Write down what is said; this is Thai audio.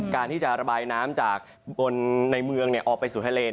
การที่จะระบายน้ำจากบนในเมืองออกไปสู่ทะเล